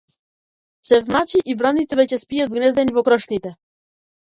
Се смрачи и враните веќе спијат вгнездени во крошните.